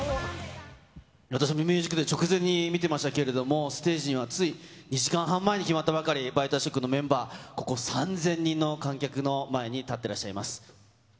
私も、ＴＨＥＭＵＳＩＣＤＡＹ直前に見てましたけれども、ステージにはつい２時間半前に決まったばかり、ＢｉＴＥＡＳＨＯＣＫのメンバー、ここ３０００人の観客の前に立ってらっしゃいます。